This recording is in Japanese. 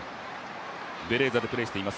ベレーザでプレーしています